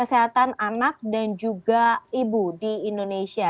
kesehatan anak dan juga ibu di indonesia